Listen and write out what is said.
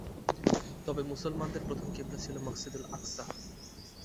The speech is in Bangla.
তবে মুসলিমদের প্রথম কিবলা ছিল মসজিদুল আকসা।